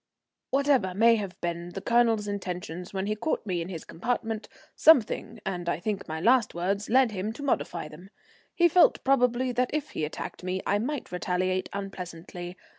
Whatever may have been the Colonel's intentions when he caught me in his compartment, something, and I think my last words, led him to modify them. He felt, probably, that if he attacked me I might retaliate unpleasantly.